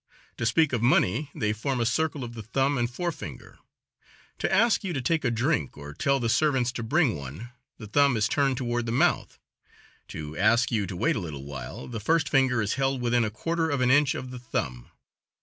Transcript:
To speak of money they form a circle of the thumb and forefinger; to ask you to take a drink or tell the servants to bring one, the thumb is turned toward the mouth; to ask you to wait a little while, the first finger is held within a quarter of an inch of the thumb.